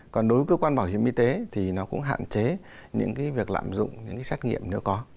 còn đối với cơ quan bảo hiểm y tế thì nó cũng hạn chế những việc lạm dụng những xét nghiệm nếu có